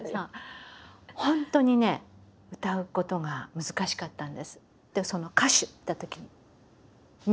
本当にね歌うことが難しかったんです。